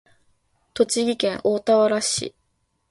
栃木県大田原市